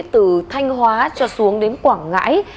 từ thanh hóa cho xuống đến quảng ngãi